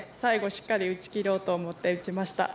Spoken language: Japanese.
しっかり打ち切ろうと思って打ちました。